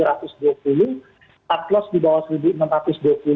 aklos di bawah seribu enam ratus dua puluh